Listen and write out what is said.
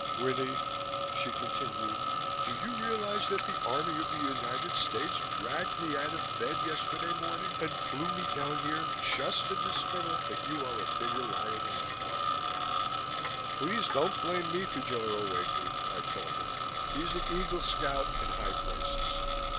"Winnie," she continued. "Do you realize that the Army of the United States dragged me out of bed yesterday morning and flew me down here just to discover that you are a bigger liar than I thought you were?" "Please don't blame me for General Wakely," I told her. "He's an Eagle Scout in high places.